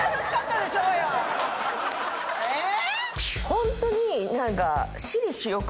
ホントに何か。